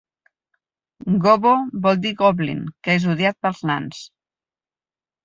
Gobbo vol dir Goblin, que és odiat pels nans.